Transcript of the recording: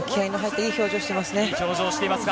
いい表情をしています。